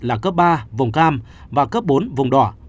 là cấp ba vùng cam và cấp bốn vùng đỏ